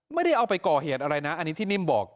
ไม่ได้เอาไปก่อเหตุอะไรนะอันนี้ที่นิ่มบอก